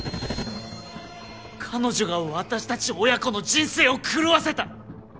彼女が私たち親子の人生を狂わせた！